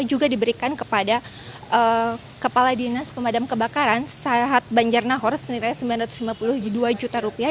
juga diberikan kepada kepala dinas pemadam kebakaran sahat banjar nahor senilai sembilan ratus lima puluh dua juta rupiah